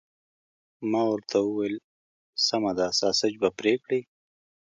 ما ورته وویل: سمه ده، ساسیج به پرې کړي؟